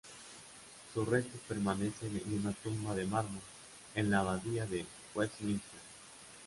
Sus restos permanecen en una tumba de mármol en la Abadía de Westminster.